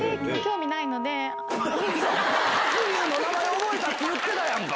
名前覚えたって言ってたやんか！